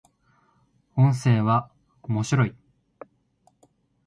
音声は、面白い